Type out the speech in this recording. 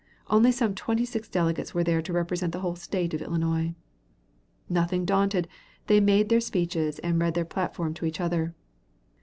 Only some twenty six delegates were there to represent the whole State of Illinois. Nothing daunted, they made their speeches and read their platform to each other.